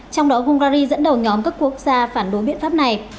trong đó hungary dẫn đầu nhóm các quốc gia phản đối biện pháp này